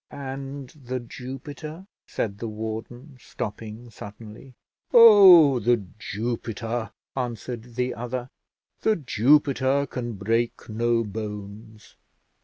"And The Jupiter?" said the warden, stopping suddenly. "Oh! The Jupiter," answered the other. "The Jupiter can break no bones.